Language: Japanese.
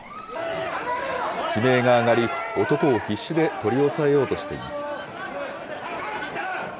悲鳴が上がり、男を必死で取り押さえようとしています。